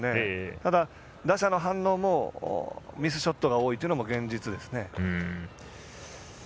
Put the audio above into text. ただ打者の反応もミスショットが多いというのも現実ですね。